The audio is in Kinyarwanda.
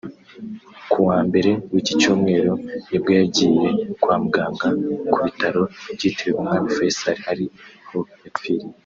Kuwa mbere w’iki cyumweru ni bwo yagiye kwa muganga ku Bitaro byitiriwe Umwami Fayscal ari ho yapfiriye